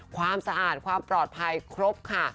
ความสะอาดความปลอดภัยครบค่ะ